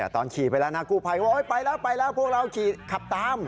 ตอนขี่ไปแล้วนะกู้ภัยก็ไปแล้วไปแล้วพวกเราขี่ขับตาม